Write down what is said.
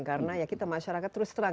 karena ya kita masyarakat terus terang